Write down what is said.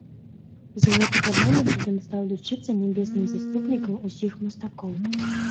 З гэтага моманту ён стаў лічыцца нябесным заступнікам усіх мастакоў.